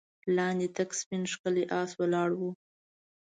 لاندې تک سپين ښکلی آس ولاړ و.